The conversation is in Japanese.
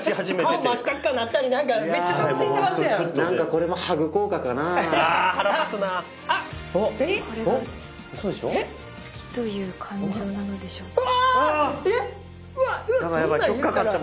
これが好きという感情なのでしょうか？